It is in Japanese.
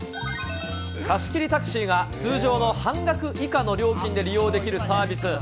貸し切りタクシーが通常の半額以下の料金で利用できるサービス。